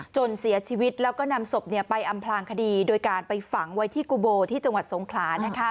จนเสียชีวิตแล้วก็นำศพไปอำพลางคดีโดยการไปฝังไว้ที่กุโบที่จังหวัดสงขลา